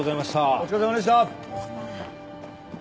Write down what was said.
お疲れさまでした。